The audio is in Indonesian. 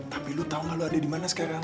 tapi lo tau gak lo ada dimana sekarang